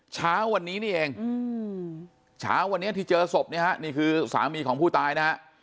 เช้าวันนี้นี่เองเช้าวันนี้ที่เจอศพเนี่ยฮะนี่คือสามีของผู้ตายนะฮะ